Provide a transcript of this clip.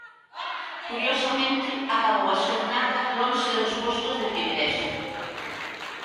Curiosamente acabou a xornada lonxe dos postos de privilexio.